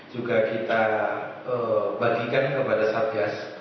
juga kita bagikan kepada satgas